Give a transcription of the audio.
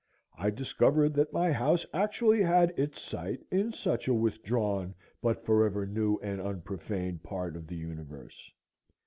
I discovered that my house actually had its site in such a withdrawn, but forever new and unprofaned, part of the universe.